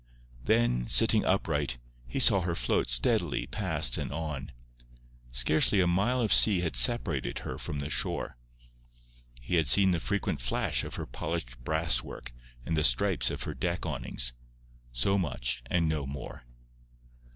Then, sitting upright, he saw her float steadily past and on. Scarcely a mile of sea had separated her from the shore. He had seen the frequent flash of her polished brass work and the stripes of her deck awnings—so much, and no more.